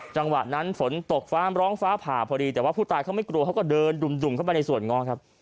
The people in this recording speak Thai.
จังหวะนั้นฝนตกฟ้ามร้องฟ้าผ่าพอดีแต่ว่าผู้ตายเขาไม่กลัวเขาก็เดินดุ่มเข้าไปในส่วนง้อครับ